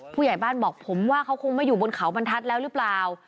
ผู้ใหญ่บ้านบอกผมว่าเขาคงไม่อยู่บนเขาบรรทัศน์แล้วหรือเปล่า